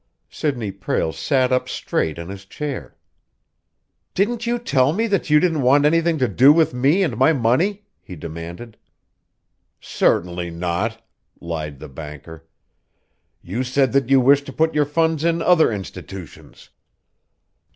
Sidney Prale sat up straight in his chair. "Didn't you tell me that you didn't want anything to do with me and my money?" he demanded. "Certainly not," lied the banker. "You said that you wished to put your funds in other institutions."